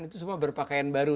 itu semua berpakaian baru